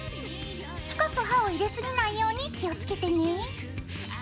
深く刃を入れすぎないように気をつけてね。